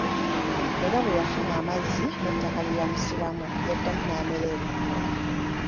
Era bwe yafuna amazzi n'ettaka lye yamusimbamu, yaddamu n'amera ebikoola.